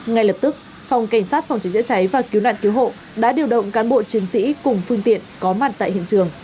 ngay lập tức phòng cảnh sát phòng cháy chữa cháy và cứu nạn cứu hộ đã điều động cán bộ chiến sĩ cùng phương tiện có mặt tại hiện trường